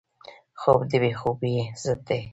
خوب د بې خوبۍ ضد دی